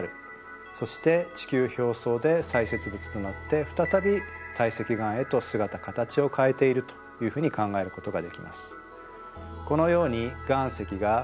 そして地球表層で砕屑物となって再び堆積岩へと姿形を変えているというふうに考えることができます。